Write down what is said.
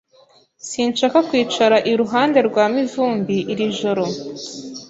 Sinshaka kwicara iruhande rwa Mivumbi iri joro.